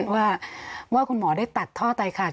ว่าคุณหมอได้ตัดท่อไตขาด